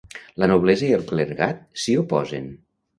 La Noblesa i el Clergat s'hi oposen.